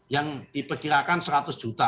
yang diperkirakan seratus juta